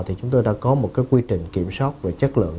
thì chúng tôi đã có một cái quy trình kiểm soát về chất lượng